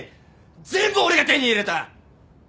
全部俺が手に入れた。